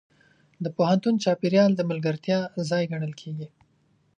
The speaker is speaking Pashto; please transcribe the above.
د پوهنتون چاپېریال د ملګرتیا ځای ګڼل کېږي.